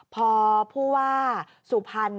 พอผู้ว่าสุพรรณ